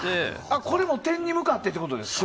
これも点に向かってってことですか。